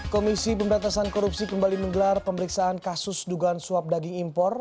komisi pemberantasan korupsi kembali menggelar pemeriksaan kasus dugaan suap daging impor